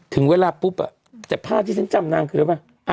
ถึงเวลาปุ๊บแต่ผ้าที่ฉันจำนางคืออะไรป่ะ